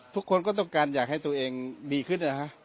ทุกคนก็ต้องการอยากให้ตัวเองดีขึ้นนะฮะ